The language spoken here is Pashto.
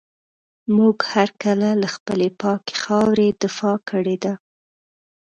موږ هر کله له خپلي پاکي خاوري دفاع کړې ده.